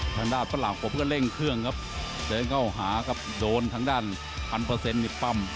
ทางด้านฝรั่งผมก็เร่งเครื่องครับเดินเข้าหาครับโดนทางด้านพันเปอร์เซ็นต์นี่ปั้ม